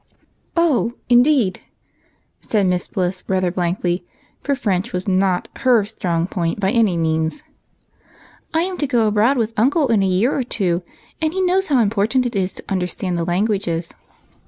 "Oh, indeed!" said Miss Bliss, rather blankly, for French was not her strong point by any means. 168 EIGHT COUSINS. "I am to go abroad with uncle in a year or two, and he knows how inajDortant it is to understand the languages.